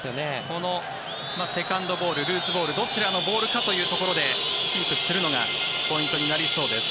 このセカンドボールルーズボールどちらのボールかというところでキープするのがポイントになりそうです。